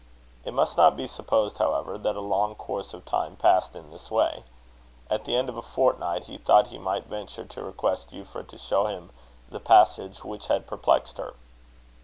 It must not be supposed, however, that a long course of time passed in this way. At the end of a fortnight, he thought he might venture to request Euphra to show him the passage which had perplexed her.